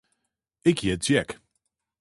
Ik hjit Jack.